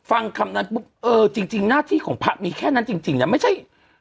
ฟังคำนั้นปุ๊บเออจริงหน้าที่ของพระมีแค่นั้นจริงนะไม่ใช่